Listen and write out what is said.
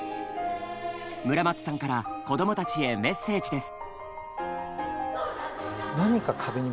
村松さんから子どもたちへメッセージです。